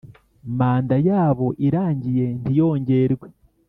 manda yabo irangiye ntiyongerwe